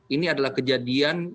ini adalah kejadian